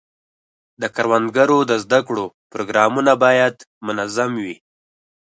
د کروندګرو د زده کړو پروګرامونه باید منظم وي.